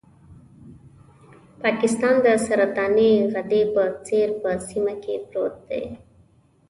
پاکستان د سرطاني غدې په څېر په سیمه کې پروت دی.